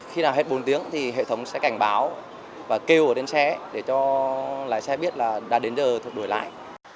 khi nào hết bốn tiếng thì hệ thống sẽ cảnh báo và kêu ở lên xe để cho lái xe biết là đã đến giờ thuộc đổi lại